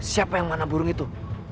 siapa yang mana burung itu